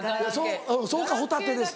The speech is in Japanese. それかホタテです